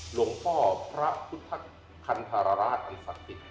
หลวงพ่อพระพุทธคันธรราชอันศักดิ์สิทธิ